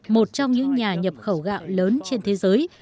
một trong những nhà nhập khẩu gạo lớn trên thế giới